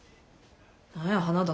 何や花田。